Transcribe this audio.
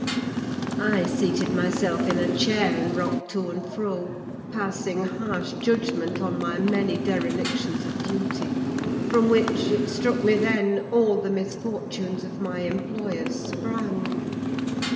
I seated myself in a chair, and rocked to and fro, passing harsh judgment on my many derelictions of duty; from which, it struck me then, all the misfortunes of my employers sprang.